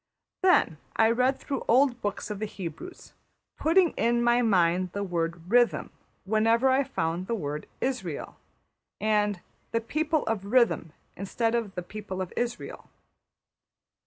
'' Then I read through old books of the Hebrews, putting in my mind the word ``rhythm'' wherever I found the word ``Israël,'' and ``the people of rhythm'' instead of ``the people of Israël.''